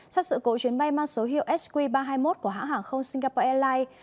sau sự cố chuyến bay mang số hiệu sq ba trăm hai mươi một của hãng hàng không singapore airlines